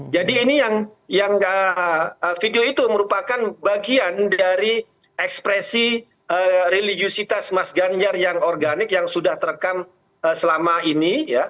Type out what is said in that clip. jadi ini yang video itu merupakan bagian dari ekspresi religiositas mas ganjar yang organik yang sudah terekam selama ini